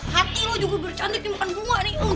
hati lo juga biar cantik nih makan bunga nih